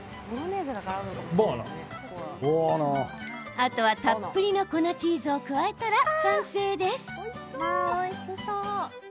あとは、たっぷりの粉チーズを加えたら完成です。